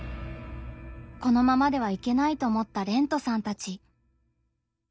このままではいけないと思ったれんとさんたち。